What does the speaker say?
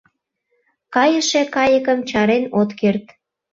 — Кайыше кайыкым чарен от керт.